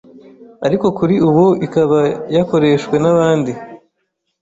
ariko kuri ubu ikaba yakoreshwe nabandi